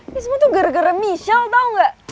ini semua tuh gara gara michel tau gak